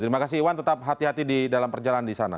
terima kasih iwan tetap hati hati di dalam perjalanan di sana